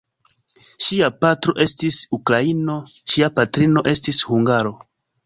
Ŝia patro estis ukraino, ŝia patrino estis hungaro.